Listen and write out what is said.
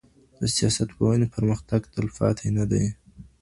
د سياست پوهني پرمختګ تلپاتی نه دی.